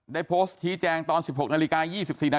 ได้โพสต์ทีแจงตอน๑๖นาฬิกา๒๔นาทีเมื่อวานี้